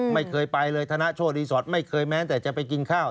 ไม่เคยไปเลยธนโชรีสอร์ทไม่เคยแม้แต่จะไปกินข้าว